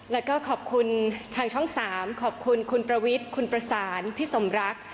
แล้วก็ขอบคุณทางช่อง๓ขอบคุณคุณประวิทย์คุณประสานพี่สมรัก